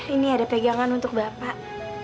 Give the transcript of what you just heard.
ini ada pegangan untuk bapak